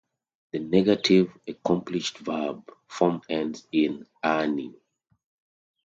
The negative accomplished verb form ends in "-aani".